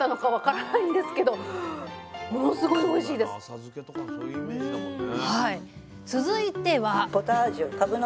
浅漬けとかそういうイメージだもんね。